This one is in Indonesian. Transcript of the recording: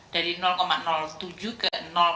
dari tujuh ke tujuh